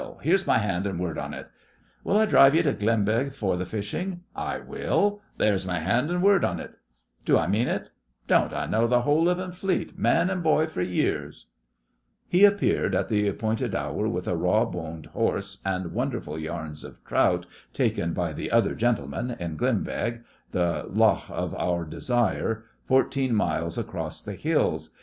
Here's my hand an' word on it. Will I dhrive ye to Glenbeg for the fishing? I will. There's my hand an' word on it. Do I mean it? Don't I know the whole livin' fleet, man an' boy, for years?' He appeared at the appointed hour with a raw boned horse and wonderful yarns of trout taken by 'the other gentlemen' in Glenbeg, the lough of our desire, fourteen miles across the hills.